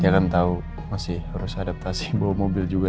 jangan tau masih harus adaptasi bawa mobil juga